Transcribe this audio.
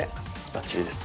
バッチリです。